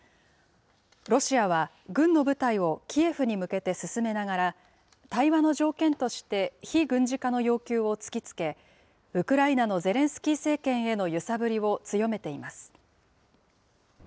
ロシアは、軍の部隊をキエフに向けて進めながら、対話の条件として非軍事化の要求を突きつけ、ウクライナのゼレンスキー政権への揺さぶりを強めています。